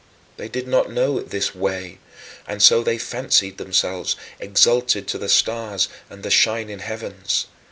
They did not know this "Way," and so they fancied themselves exalted to the stars and the shining heavens.